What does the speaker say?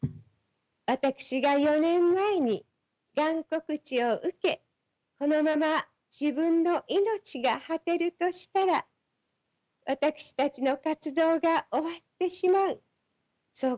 私が４年前にがん告知を受けこのまま自分の命が果てるとしたら私たちの活動が終わってしまうそう考えました。